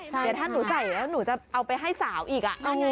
เดี๋ยวถ้าหนูใส่แล้วหนูจะเอาไปให้สาวอีก